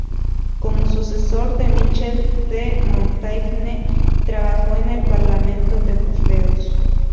Como sucesor de Michel de Montaigne, trabajó en el Parlamento de Burdeos.